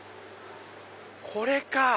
これか！